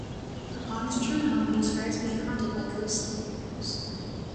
Upon his return home, he describes being haunted by ghosts and nightmares.